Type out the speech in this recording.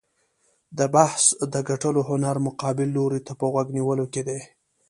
د بحث د ګټلو هنر مقابل لوري ته په غوږ نیولو کې دی.